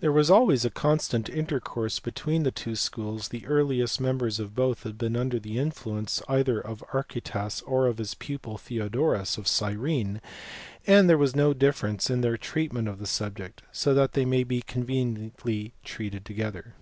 There was always a constant intercourse between the two schools, the earliest members of both had been under the influence either of Archytas or of his pupil Theodorus of Gyrene, and there was no difference in their treatment of the subject, so that they may be conveniently treated together.